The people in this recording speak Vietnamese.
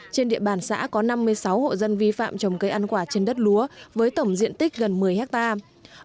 trên địa bàn xã có năm mươi sáu hộ dân vi phạm trồng cây ăn quả trên đất lúa với tổng diện tích gần một mươi hectare